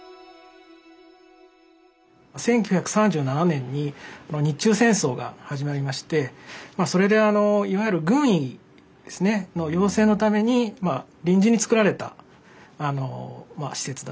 １９３７年に日中戦争が始まりましてまあそれでいわゆる軍医ですねの養成のために臨時につくられたあのまあ施設だということで。